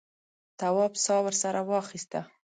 تواب سا ورسره واخیسته.